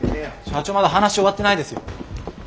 社長まだ話終わってないですよ。